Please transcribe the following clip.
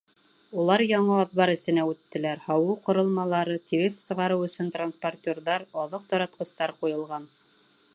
Улар яңы аҙбар эсенә үттеләр, һауыу ҡоролмалары, тиреҫ сығарыу өсөн транспортерҙар, аҙыҡ таратҡыстар ҡуйылған.